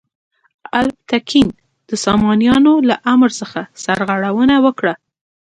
الپتکین د سامانیانو له امر څخه سرغړونه وکړه.